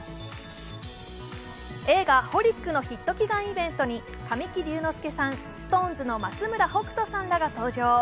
映画「ホリックｘｘｘＨＯＬｉＣ」のヒット祈願イベントに神木隆之介さん、ＳｉｘＴＯＮＥＳの松村北斗さんらが登場。